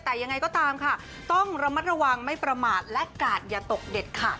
แต่ยังไงก็ตามค่ะต้องระมัดระวังไม่ประมาทและกาดอย่าตกเด็ดขาด